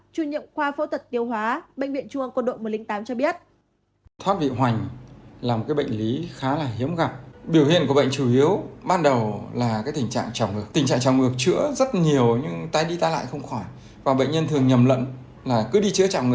chia sẻ bệnh lý thoát vị hoành phó giáo sư tiến sĩ bác sĩ nguyễn anh tuấn